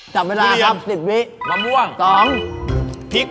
จับเวลาครับ๑๐วิ